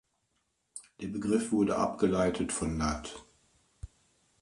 Der Begriff wurde abgeleitet von lat.